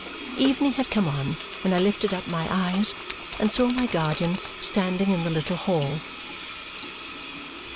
Evening had come on when I lifted up my eyes and saw my guardian standing in the little hall.